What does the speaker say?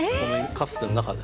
かつての中で。